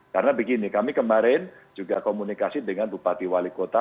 karena begini kami kemarin juga komunikasi dengan bupati wali kota